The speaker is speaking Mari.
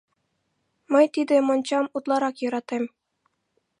Мый тиде мончам утларак йӧратем.